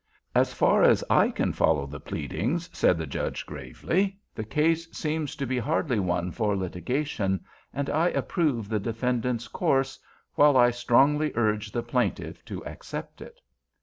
"As far as I can follow the pleadings," said the Judge, gravely, "the case seems to be hardly one for litigation, and I approve of the defendant's course, while I strongly urge the plaintiff to accept it."